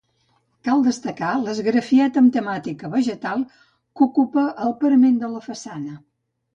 Cal destacar l'esgrafiat amb temàtica vegetal que ocupa el parament de la façana.